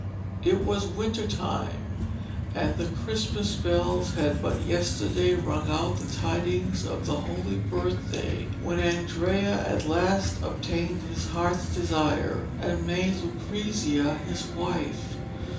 It was winter time, and the Christmas bells had but yesterday rung out the tidings of the Holy Birthday when Andrea at last obtained his heart's desire and made Lucrezia his wife.